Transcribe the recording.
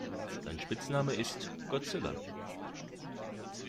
Sein Spitzname ist "Godzilla".